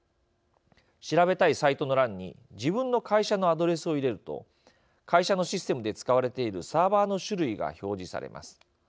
調べたいサイトの欄に自分の会社のアドレスを入れると会社のシステムで使われているサーバーの種類が表示されます。